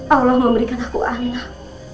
allah memberikan aku anak